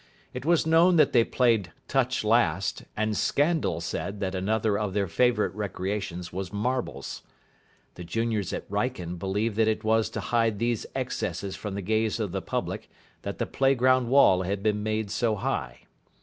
It was known that they played touch last, and Scandal said that another of their favourite recreations was marbles. The juniors at Wrykyn believed that it was to hide these excesses from the gaze of the public that the playground wall had been made so high.